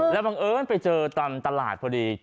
แล้วบังเอิญไปเจอตามตลาดพอดี